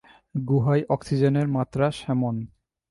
গুহায় অক্সিজেনের মাত্রা স্যামন।